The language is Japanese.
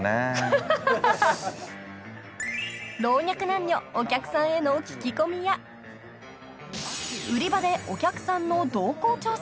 ［老若男女お客さんへの聞き込みや売り場でお客さんの動向調査］